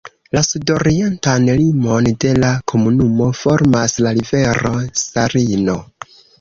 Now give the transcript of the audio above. La sudorientan limon de la komunumo formas la rivero Sarino.